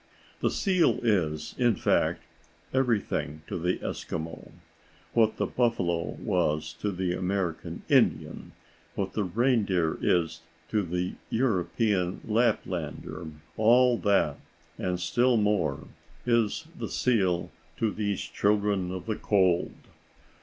The seal is, in fact, everything to the Eskimo. What the buffalo was to the American Indian, what the reindeer is to the European Laplander, all that, and still more, is the seal to these Children of the Cold.